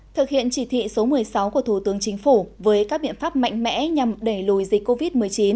thực hiện chỉ thị số một mươi sáu của thủ tướng chính phủ với các biện pháp mạnh mẽ nhằm đẩy lùi dịch covid một mươi chín